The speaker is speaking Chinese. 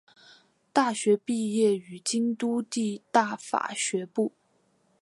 大学毕业于京都帝大法学部。